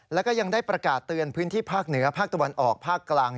แล้วก็ยังได้ประกาศเตือนพื้นที่ภาคเหนือภาคตะวันออกภาคกลาง